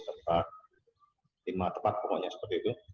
tepat timah tepat pokoknya seperti itu